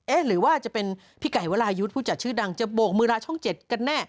หรือว่าจะเป็นพี่ไก่วรายุทธ์ผู้จัดชื่อดังจะโบกมือลาช่อง๗กันแน่